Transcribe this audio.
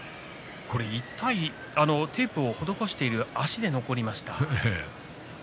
テープを施している足で残りました。